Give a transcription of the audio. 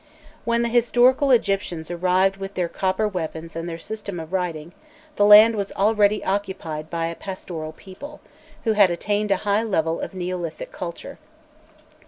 When the historical Egyptians arrived with their copper weapons and their system of writing, the land was already occupied by a pastoral people, who had attained a high level of neolithic culture.